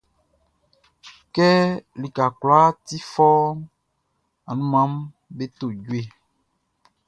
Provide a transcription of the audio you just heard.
Kɛ lika kwlaa ti fɔuunʼn, anunmanʼm be to jue.